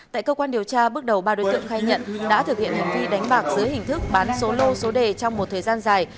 tại cơ quan điều tra bước đầu ba đối tượng khai nhận đã thực hiện hành vi đánh bạc dưới hình thức bán số lô số đề trong một thời gian dài